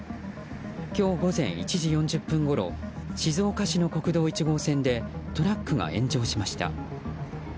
今日午前１時４０分ごろ静岡市の国道１号線でトラックが炎上しました。